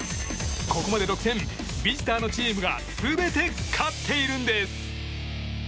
ここまで独占ビジターのチームが全て勝っているんです。